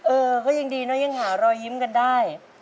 เออก็ยังดีนะยังหารอยยิ้มกันได้